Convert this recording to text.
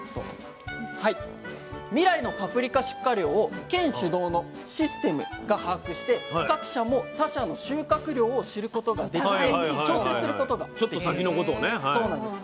未来のパプリカ出荷量を県主導のシステムが把握して各社も他社の収穫量を知ることができて調整することができるんです。